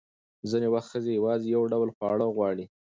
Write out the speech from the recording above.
ځینې وخت ښځې یوازې یو ډول خواړه غواړي.